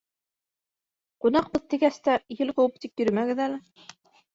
— Ҡунаҡбыҙ тигәс тә, ел ҡыуып тик йөрөмәгеҙ әле.